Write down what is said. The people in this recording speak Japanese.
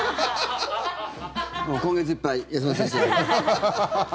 もう、今月いっぱい休まさせていただきます。